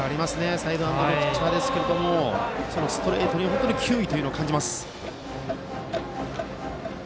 サイドハンドのピッチャーですがストレートに球威を感じます。